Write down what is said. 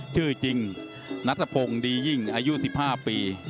ชื่อจริงนัทพงศ์ดียิ่งอายุ๑๕ปี